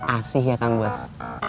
asih ya kan buas